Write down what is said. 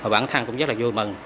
bán thăng cũng rất là vui mừng